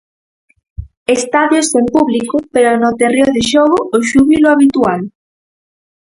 Estadios sen público pero no terreo de xogo o xúbilo habitual.